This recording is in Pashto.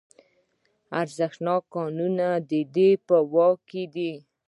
ارزښتناک کانونه د دوی په واک کې دي